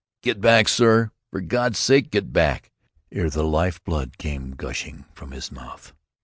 "Get back, sir; for God's sake, get back!" ere the life blood came gushing from his mouth.